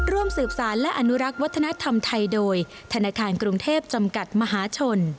ร่วมสืบสารและอนุรักษ์วัฒนธรรมไทยโดยธนาคารกรุงเทพจำกัดมหาชน